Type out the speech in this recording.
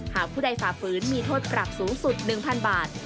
ผู้ใดฝ่าฝืนมีโทษปรับสูงสุด๑๐๐๐บาท